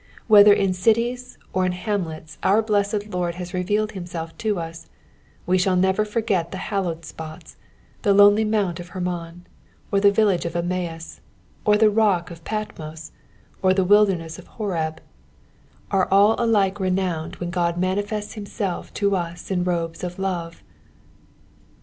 Whether in cities or in hamlets our blessed Lord las revealed himself to us, we shall never forget the hallowed spots : the lonely mount of Hermon, or the villnge of Emmaus, or the rock of Patmos, or the witdcmess of Horeb, are all alike renowned when Qod manifests himself to us in robes of love.